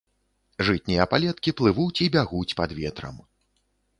Жытнія палеткі плывуць і бягуць пад ветрам.